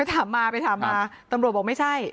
ถามมาไปถามมาตำรวจบอกไม่ใช่